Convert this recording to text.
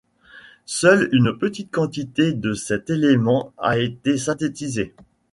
Seule une petite quantité de cet élément a été synthétisée.